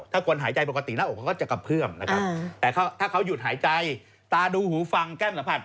ถ้าคนหายใจปกติหน้าอกเขาก็จะกระเพื่อมนะครับแต่ถ้าเขาหยุดหายใจตาดูหูฟังแก้มสัมผัส